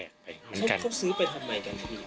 เขาซื้อไปทำไมกันพี่